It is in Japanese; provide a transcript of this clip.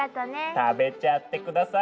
食べちゃってください。